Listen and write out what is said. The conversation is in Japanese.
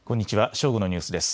正午のニュースです。